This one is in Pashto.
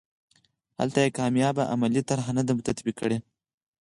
هلته یې کامیابه عملي طرحه نه ده تطبیق کړې.